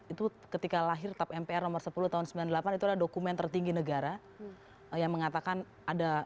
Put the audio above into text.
itu ketika lahir tetap mpr nomor sepuluh tahun sembilan puluh delapan itu dokumen tertinggi negara yang mengatakan ada